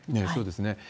そうですね。